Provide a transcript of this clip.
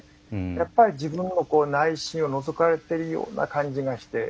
やっぱり自分の内心をのぞかれているような感じがして。